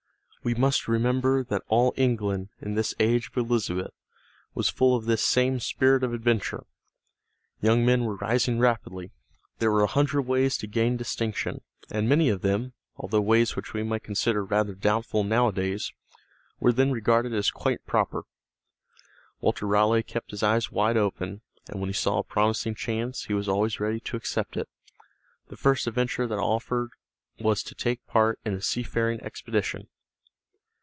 We must remember that all England, in this age of Elizabeth, was full of this same spirit of adventure. Young men were rising rapidly; there were a hundred ways to gain distinction, and many of them, although ways which we might consider rather doubtful nowadays, were then regarded as quite proper. Walter Raleigh kept his eyes wide open, and when he saw a promising chance, he was always ready to accept it. The first adventure that offered was to take part in a seafaring expedition.